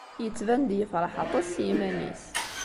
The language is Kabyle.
Yettban-d yefṛeḥ aṭas s yiman-is.